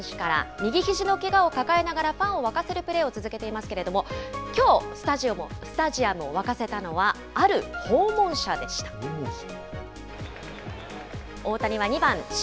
右ひじのけがを抱えながら、ファンを沸かせるプレーを続けていますけれども、きょう、スタジアムを沸かせたのは、ある訪問者でし訪問者？